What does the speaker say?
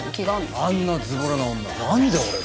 あんなズボラな女なんで俺が。